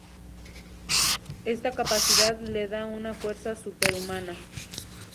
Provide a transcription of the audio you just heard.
Esta capacidad le da una fuerza super-humana.